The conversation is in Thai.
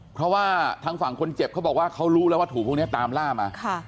เพราะว่าทางฝั่งคนเจ็บเขาบอกว่าเขารู้แล้วว่าถูกพวกนี้ตามล่ามา